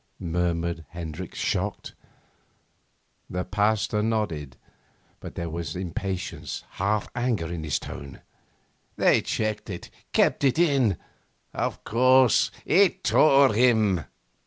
murmured Hendricks, shocked. The Pasteur nodded, but there was impatience, half anger in his tone. 'They checked it, kept it in. Of course, it tore him!